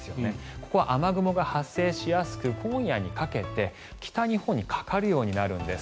ここは雨雲が発生しやすく今夜にかけて北日本にかかるようになるんです。